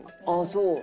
ああそう。